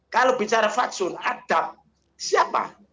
kalau bicara faksun adab siapa